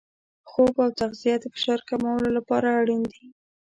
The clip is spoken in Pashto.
خوب او تغذیه د فشار کمولو لپاره اړین دي.